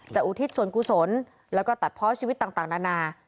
อุทิศส่วนกุศลแล้วก็ตัดเพาะชีวิตต่างนานา